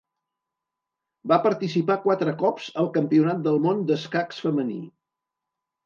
Va participar quatre cops al Campionat del món d'escacs femení.